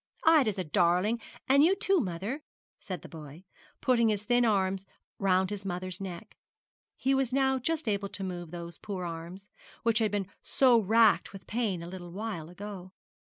'Ida's a darling, and you too, mother,' said the boy, putting his thin little arms round his mother's neck. He was now just able to move those poor arms, which had been so racked with pain a little while ago.